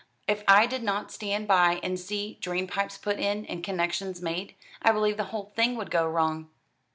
If I did not stand by and see drain pipes put in and connections made, I believe the whole thing would go wrong."